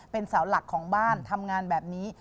เป็นเสาหลักของบ้านทำงานแบบนี้